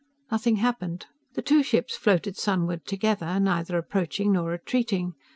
_" Nothing happened. The two ships floated sunward together, neither approaching nor retreating.